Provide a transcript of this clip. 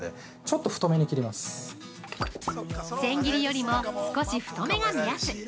◆千切りよりも少し太めが目安。